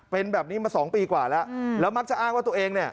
เป็นแบบนี้มา๒ปีกว่าแล้วแล้วมักจะอ้างว่าตัวเองเนี่ย